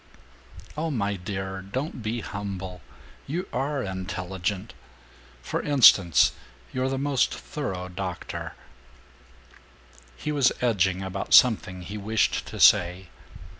"Oh, my dear, don't be humble! You are intelligent! For instance, you're the most thorough doctor " He was edging about something he wished to say.